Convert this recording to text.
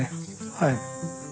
はい。